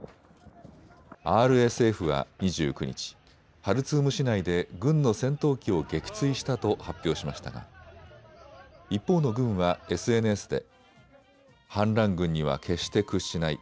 ＲＳＦは２９日、ハルツーム市内で軍の戦闘機を撃墜したと発表しましたが一方の軍はＳＮＳで反乱軍には決して屈しない。